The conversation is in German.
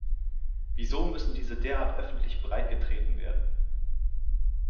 Wieso müssen diese derart öffentlich breit getreten werden?